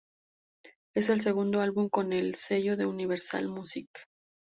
Es el segundo álbum con el sello de Universal Music.